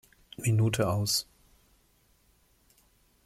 Minute aus.